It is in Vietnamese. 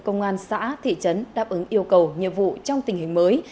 công an xã thị trấn đáp ứng yêu cầu nhiệm vụ trong tình hình mới